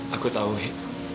aku tahu he